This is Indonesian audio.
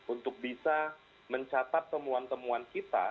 untuk bisa mencatat temuan temuan kita